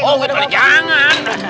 oh balik jangan